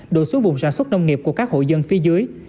đổ xuống vùng sản xuất nông nghiệp của các hộ dân phía dưới